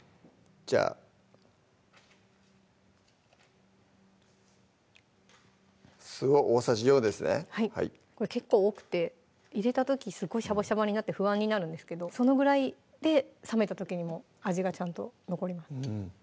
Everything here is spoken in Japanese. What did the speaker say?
じゃあ酢を大さじ４ですねはい結構多くて入れた時すごいシャバシャバになって不安になるんですけどそのぐらいで冷めた時にも味がちゃんと残ります